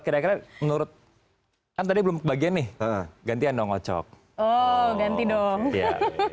kira kira menurut tadi belum bagian nih gantian dongocok oh ganti dong ya